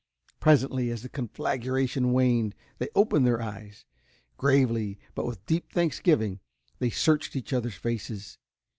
Presently, as the conflagration waned, they opened their eyes. Gravely, but with deep thanksgiving, they searched each other's faces.